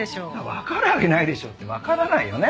わかるわけないでしょってわからないよね